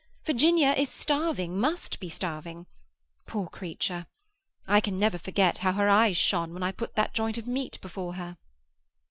Virginia is starving, must be starving. Poor creature! I can never forget how her eyes shone when I put that joint of meat before her."